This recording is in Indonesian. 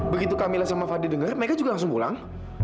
begitu kamilah sama fadli dengar mereka juga langsung pulang